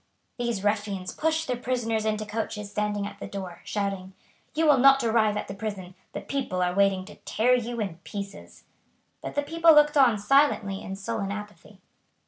These ruffians pushed the prisoners into coaches standing at the door, shouting: "You will not arrive at the prison; the people are waiting to tear you in pieces." But the people looked on silently in sullen apathy.